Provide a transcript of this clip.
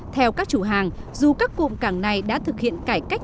theo các chủ hàng dù các cụm cảng này đã thực hiện cải cách